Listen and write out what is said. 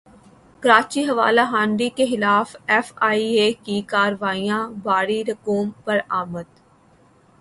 کراچی حوالہ ہنڈی کیخلاف ایف ائی اے کی کارروائیاں بھاری رقوم برامد